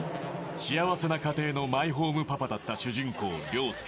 幸せな家庭のマイホームパパだった主人公凌介